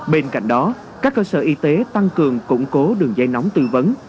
bên cạnh đó các cơ sở y tế tăng cường củng cố đường dây nóng tư vấn